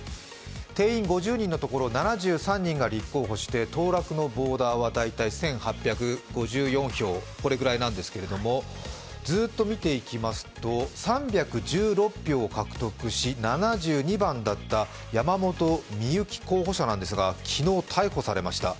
定員５０人のところ７３人が立候補して当落のボーダーは大体８５４票、これぐらいなんですけど、ずっと見ていきますと３１６票を獲得し、７２番だった山本深雪候補者ですが昨日、逮捕されました。